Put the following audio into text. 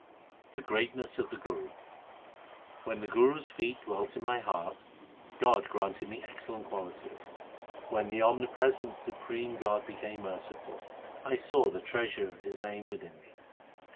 The greatness of the Guru : When the Guru s feet dwelt in my heart, God granted me excellent qualities. When the omnipresent supreme God became merciful, I saw the treasure of His name within me.